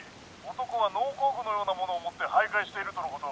男は農耕具のようなものを持って徘徊しているとのこと。